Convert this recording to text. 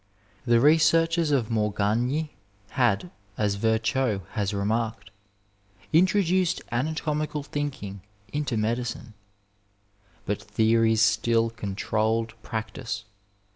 The researches of Morgagni had, as Virchow has remarked, introduced anatomical thinldng into medicine. But theories still controlled practice.